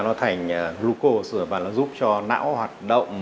nó phân giải ra nó thành glucose và nó giúp cho não hoạt động